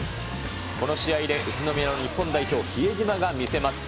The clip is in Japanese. この試合で宇都宮の日本代表、比江島が見せます。